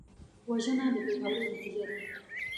وژنه د بېغورۍ نتیجه ده